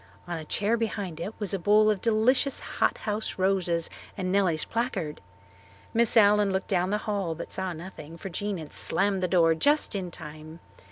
On a chair behind it was a bowl of delicious hot house roses and Nellie's placard. Miss Allen looked down the hall but saw nothing, for Jean had slammed the door just in time.